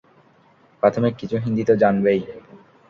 প্রাথমিক কিছু হিন্দি তো জানবেই।